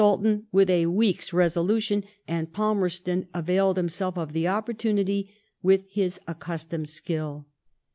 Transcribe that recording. inspire the Saltan with a week's resolution ; and Palmer* ston availed himself of the opportunity with his accus tomed skill.